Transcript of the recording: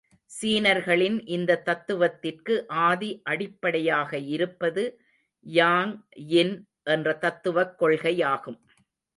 சீனர்களின் இந்த தத்துவத்திற்கு ஆதி அடிப்படையாக இருப்பது யாங் யின் என்ற தத்துவக் கொள்கையாகும்.